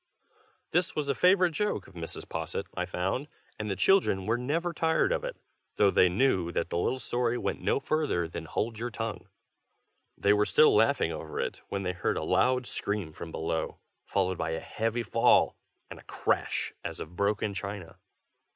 This was a favorite joke of Mrs. Posset's, I found, and the children were never tired of it, though they knew that the little story went no further than "Hold your tongue!" They were still laughing over it, when they heard a loud scream from below, followed by a heavy fall, and a crash as of broken china.